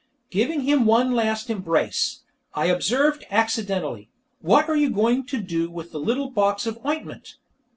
Giving him one last embrace, I observed accidentally, "What are you going to do with that little box of ointment?